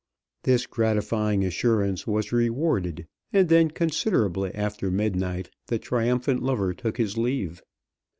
This gratifying assurance was rewarded, and then, considerably after midnight, the triumphant lover took his leave.